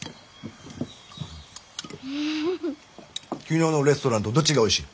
昨日のレストランとどっちがおいしい？